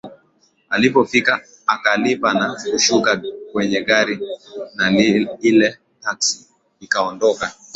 Alipofika akalipa na kushuka kwenye gari na ile taksi ikaondoka